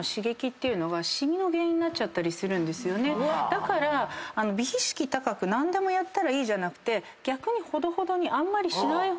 だから美意識高く何でもやったらいいじゃなくて逆に。